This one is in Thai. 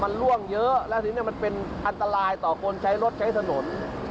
มันล่วงเยอะแล้วทีนี้มันเป็นอันตรายต่อคนใช้รถใช้ถนน